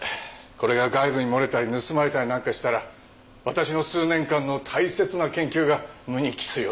これが外部に漏れたり盗まれたりなんかしたらわたしの数年間の大切な研究が無に帰すようなもんですからね。